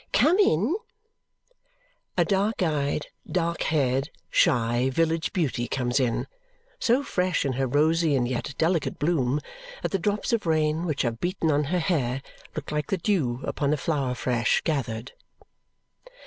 "Come in!" A dark eyed, dark haired, shy, village beauty comes in so fresh in her rosy and yet delicate bloom that the drops of rain which have beaten on her hair look like the dew upon a flower fresh gathered.